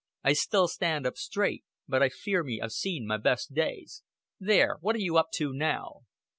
I still stand up straight, but I fear me I've seen my best days.... There! What are you up to now?"